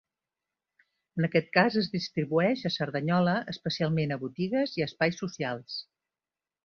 En aquest cas es distribueix a Cerdanyola, especialment a botigues i a espais socials.